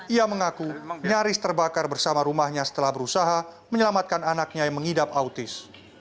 ia mengaku nyaris terbakar bersama rumahnya setelah berusaha menyelamatkan anaknya yang mengidap autis